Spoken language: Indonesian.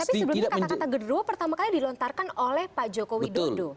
tapi sebelumnya kata kata gedewo pertama kali dilontarkan oleh pak joko widodo